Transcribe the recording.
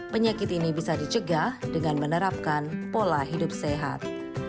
penyakit ini bisa dicegah dengan menerapkan pola hidup sehat